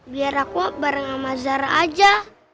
biar aku bareng ama zara aja